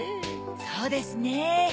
そうですね。